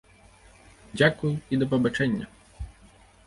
Дзякуй і да пабачэння!